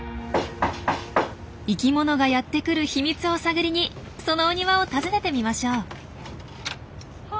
生きものがやってくる秘密を探りにそのお庭を訪ねてみましょう。